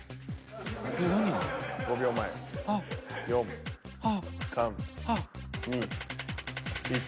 ５秒前４３２１。